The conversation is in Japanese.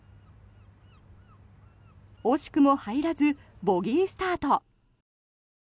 惜しくも入らずボギースタート。